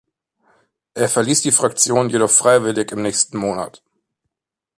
Er verließ die Fraktion jedoch freiwillig im nächsten Monat.